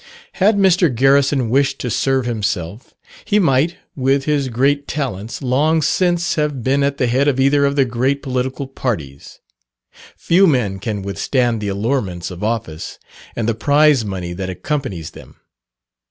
Had Mr. Garrison wished to serve himself, he might, with his great talents, long since, have been at the head of either of the great political parties. Few men can withstand the allurements of office, and the prize money that accompanies them.